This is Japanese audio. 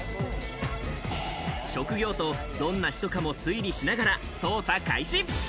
職業と、どんな人かも推理しながら捜査開始。